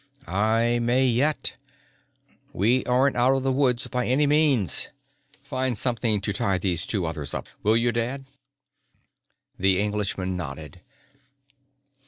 "I may yet. We aren't out of the woods by any means. Find something to tie these two others up with, will you, Dad?" The Englishman nodded.